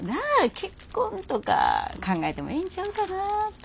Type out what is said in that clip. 結婚とか考えてもええんちゃうかなぁて。